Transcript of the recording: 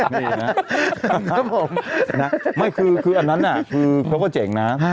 นี่นะครับผมไม่คืออันนั้นน่ะคือเขาก็เจ๋งนะ